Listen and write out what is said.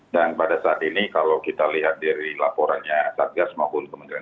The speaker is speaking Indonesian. dan pada saat ini kalau kita lihat dari laporannya satgas maupun kementerian